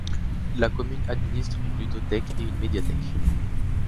La commune administre une ludothèque et une médiathèque.